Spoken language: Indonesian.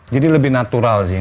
jadi lebih natural sih